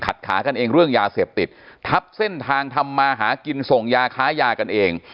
ขากันเองเรื่องยาเสพติดทับเส้นทางทำมาหากินส่งยาค้ายากันเอง